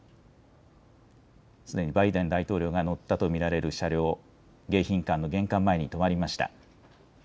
すでにバイデン大統領が乗ったと見られる車両、迎賓館の玄関前に止まりました。